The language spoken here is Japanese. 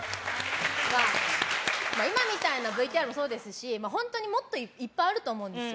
今みたいなＶＴＲもそうですし本当にもっといっぱいあると思うんですよ。